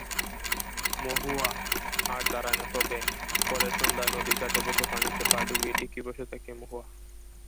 মহুয়া আর দাড়ায় না, তবে পরের সন্ধ্যায় নদীর ঘাটে বসে পানিতে পা ডুবিয়ে ঠিকই বসে থাকে মহুয়া।